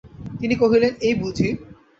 তিনি কহিলেন, এই বুঝি!